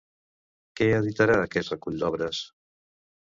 Què editarà aquest recull d'obres?